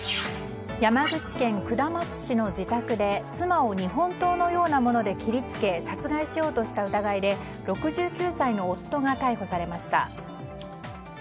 山口県下松市の自宅で妻を日本刀のようなもので切り付け殺害しようとした疑いで６９歳の夫が逮捕されました。